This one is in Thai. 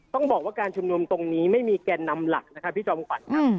ต้องบอกว่าการชุมนุมตรงนี้ไม่มีแกนนำหลักนะครับพี่จอมขวัญครับ